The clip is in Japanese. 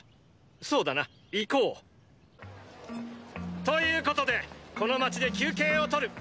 そうだな行こう！ということでこの街で休憩をとる！